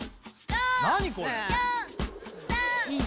何これ？